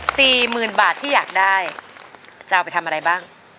สี่หมื่นบาทที่อยากได้จะเอาไปทำอะไรบ้าง